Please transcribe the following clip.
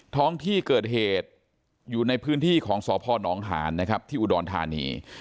ท้องที่เกิดเหตุอยู่ในพื้นที่ของสพนหานนะครับที่อุดรธานี